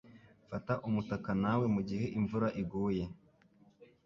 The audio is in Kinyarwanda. Fata umutaka nawe mugihe imvura iguye.